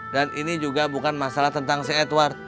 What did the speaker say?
dan ini juga bukan masalah tentang si edward